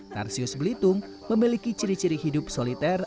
tarsius belitung memiliki ciri ciri hidup soliter